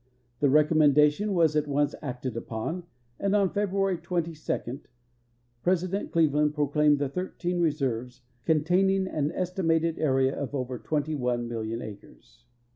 The recommenda tion was at once acted upon, and on February 22 President Cleveland proclaimed the thirteen reserves, containing an esti mated area of over twent^'^ one million acres.